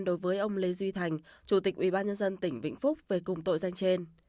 đối với ông lê duy thành chủ tịch ubnd tỉnh vĩnh phúc về cùng tội danh trên